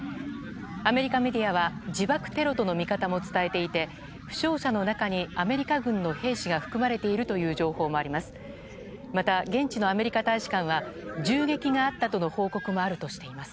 アメリカメディアは自爆テロとの見方も伝えていて負傷者の中にアメリカ軍の兵士が含まれているという情報もあります。